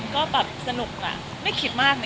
ก็แบบสนุกไม่คิดมาก